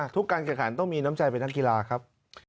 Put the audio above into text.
ทุกการเกี่ยวขันต้องมีน้ำใจเป็นทางกีฬาครับ